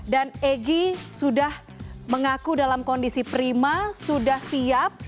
dan egy sudah mengaku dalam kondisi prima sudah siap